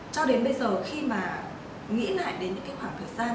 cho đến bây giờ khi mà nghĩ lại đến những cái khoảng thời gian